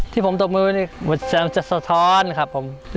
ที่ผมตกมือมันแสนจะสะท้อนครับผม